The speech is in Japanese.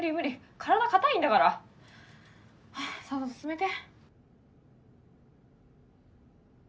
体硬いんだからさっさと進めて。